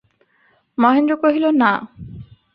মহেন্দ্র কহিল, না।